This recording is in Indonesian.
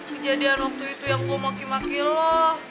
kejadian waktu itu yang gue maki maki lah